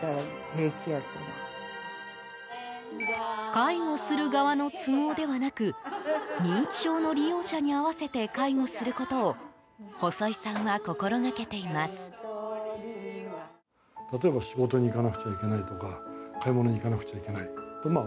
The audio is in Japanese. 介護する側の都合ではなく認知症の利用者に合わせて介護することを細井さんは心がけています。